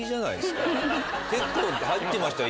結構入ってましたよ